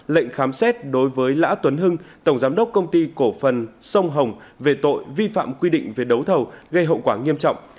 lệnh khám xét đối với lã tuấn hưng tổng giám đốc công ty cổ phần sông hồng về tội vi phạm quy định về đấu thầu gây hậu quả nghiêm trọng